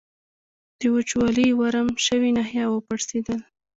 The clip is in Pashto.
د وچولې ورم شوې ناحیه و پړسېدل.